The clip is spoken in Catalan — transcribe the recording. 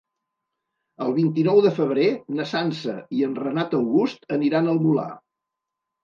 El vint-i-nou de febrer na Sança i en Renat August aniran al Molar.